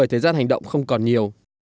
hành động không còn nhiều